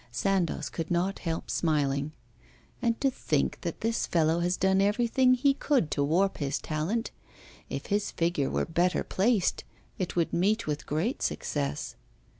Sandoz could not help smiling. 'And to think that this fellow has done everything he could to warp his talent. If his figure were better placed, it would meet with great success.